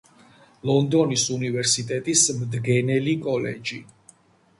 ლონდონის უნივერსიტეტის მდგენელი კოლეჯი.